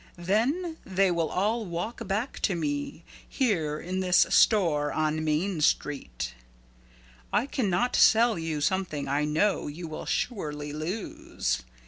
Then they will all walk back to me here in this store on main street. I can not sell you something I know you will surely lose.